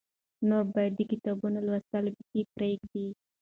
نور باید د کتابونو لوستل بیخي پرېږدې.